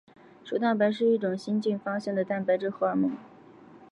瘦蛋白是一种新近发现的蛋白质荷尔蒙。